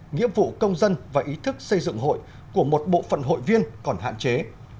nghĩa vụ công dân và ý thức xây dựng hội của một bộ phận hội viên còn hạn chế